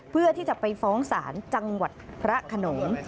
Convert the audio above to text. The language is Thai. เพื่อที่จะไปฟ้องศาลจังหวัดพระขนง